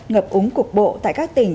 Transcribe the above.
ngập úng cục bộ tại các tỉnh